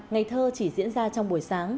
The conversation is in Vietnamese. ngày thơ chỉ diễn ra trong buổi sáng